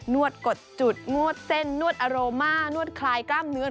วดกดจุดนวดเส้นนวดอโรมานวดคลายกล้ามเนื้อ